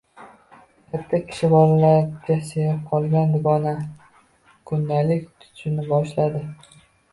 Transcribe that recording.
Katta kishini bolalarcha sevib qolgan dugonam kundalik tutishni boshladi